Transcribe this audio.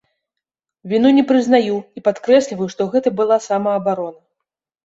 Віну не прызнаю і падкрэсліваю, што гэта была самаабарона.